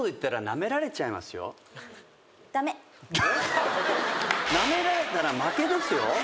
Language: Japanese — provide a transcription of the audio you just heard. なめられたら負けですよ。